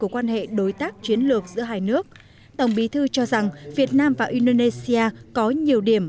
quan hệ đối tác chiến lược giữa hai nước tổng bí thư cho rằng việt nam và indonesia có nhiều điểm